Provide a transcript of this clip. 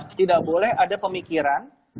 tidak boleh ada pemikiran